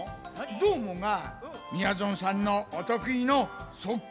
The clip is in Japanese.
どーもがみやぞんさんのおとくいのそっ